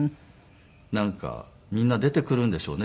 なんかみんな出てくるんでしょうね